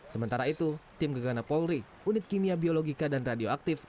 sementara itu tim gegana polri unit kimia biologika dan radioaktif